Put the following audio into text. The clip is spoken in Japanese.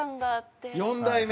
４代目。